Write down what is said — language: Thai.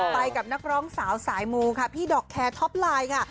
ไปกับนักร้องสาวสายมูค่ะพี่ดอกแคร์ท็อปไลน์ค่ะ